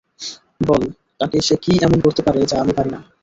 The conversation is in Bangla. বল তাকে সে কী এমন করতে পারে যা আমি পারি না।